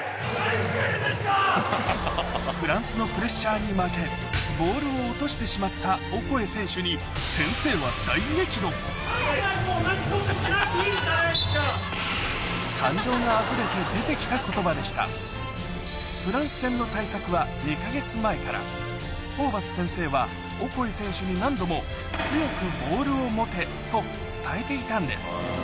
フランスのプレッシャーに負けボールを落としてしまったオコエ選手に先生は感情があふれて出て来た言葉でしたフランス戦の対策は２か月前からホーバス先生はオコエ選手に何度もと伝えていたんです